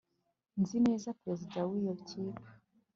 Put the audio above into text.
Nzi neza perezida wiyo kipe